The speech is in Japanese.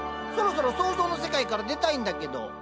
そろそろ想像の世界から出たいんだけど。